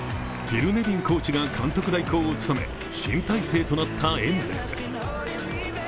フィル・ネビンコーチが監督代行を務め新体制となったエンゼルス。